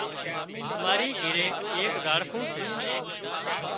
اماري گھري ايڪ زاڙکون سي